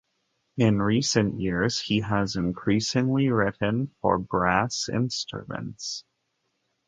In recent years, he has increasingly written for brass instruments.